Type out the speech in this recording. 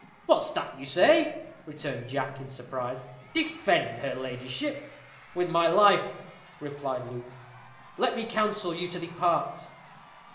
"What's that you say?" returned Jack, in surprise "defend her ladyship?" "With my life," replied Luke. "Let me counsel you to depart."